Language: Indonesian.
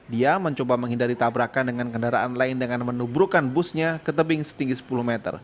dia mencoba menghindari tabrakan dengan kendaraan lain dengan menubrukkan busnya ke tebing setinggi sepuluh meter